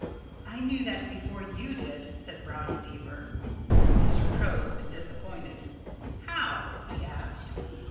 "I knew that before you did," said Brownie Beaver. Mr. Crow looked disappointed. "How?" he asked.